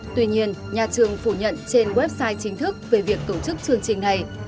tuy nhiên nhà trường phủ nhận trên website chính thức về việc tổ chức chương trình này